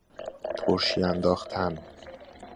ترشی انداختن